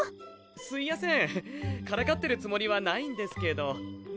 すいやせんからかってるつもりはないんですけどね。